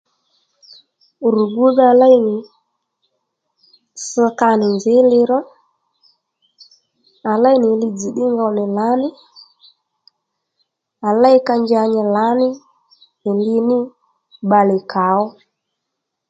Rù gbúdha léy nì ss ka nì nzǐ li ró à léy nì li dzz̀ ddí ngow nì lǎní à léy ka nja nyi lǎní li ní bbalè kà ó